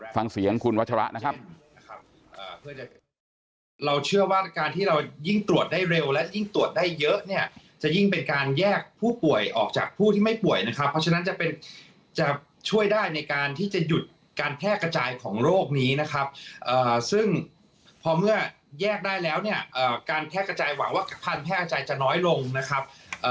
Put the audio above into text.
ฟังเสียงคุณวัชระนะครับ